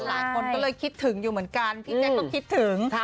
หลายคนก็เลยคิดถึงอยู่เหมือนกันพี่แจ๊คก็คิดถึง